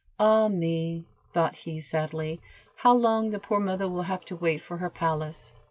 "Ah, me!" thought he, sadly, "how long the poor mother will have to wait for her palace."